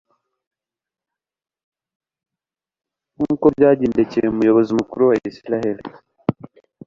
nk'uko byagendekcye umuyobozi mukuru wa Isiraeli;